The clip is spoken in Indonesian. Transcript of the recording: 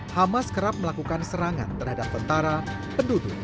hamas kerap melakukan serangan terhadap tentara penduduk